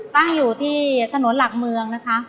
ตั้งอยู่ที่ถนนหลักเมืองนะคะ